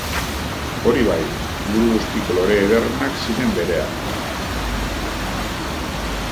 Hori bai, inguru guztiko lore ederrenak ziren bereak.